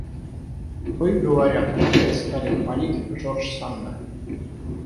Вы, говорят, опять стали хвалить Жорж Санда.